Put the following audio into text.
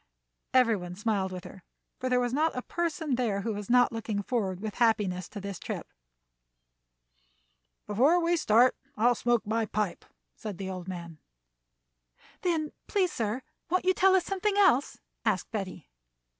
Every one smiled with her, for there was not a person there who was not looking forward with happiness to this trip. "Before we start on I'll smoke my pipe," said the old man. "Then, please, sir, won't you tell us something else?" asked Betty.